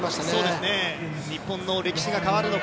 日本の歴史が変わるのか。